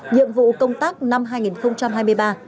nhiệm vụ công tác năm hai nghìn hai mươi ba